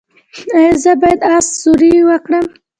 ایا زه باید اس سواري وکړم؟